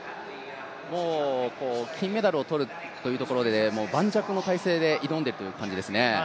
もう、金メダルを取るというところで、盤石の態勢で挑んでいるという感じですね。